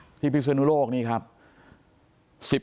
ค่ะที่พิศุนุโลกนี้ครับ